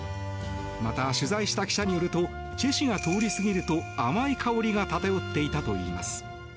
また、取材した記者によるとチェ氏が通り過ぎると甘い香りが漂っていたといいます。